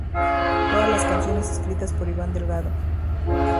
Todas las canciones escritas por Iván Delgado.